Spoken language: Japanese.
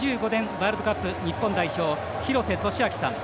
ワールドカップ日本代表、廣瀬俊朗さん。